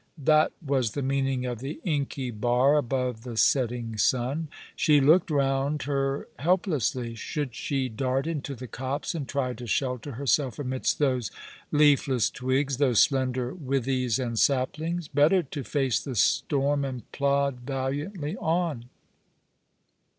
That was the meaning of the inky bar above the setting sun. She looked round her helplessly. Should she dart into the copse, and try to shelter herself amidst those leafless twigs, those slender withies and saplings ? Better to face the storm and plod valiantly on.